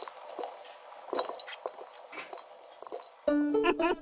ウフフフ。